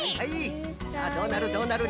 さあどうなるどうなる？